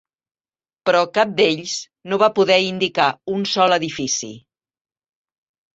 Però cap d'ells no va poder indicar un sol edifici...